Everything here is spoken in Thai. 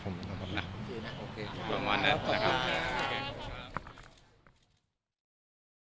ผมขอแค่ได้เจอลูกแบบนั้นแหละครับ